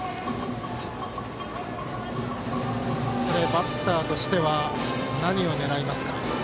バッターとしては何を狙いますか。